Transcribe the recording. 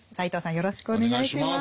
よろしくお願いします。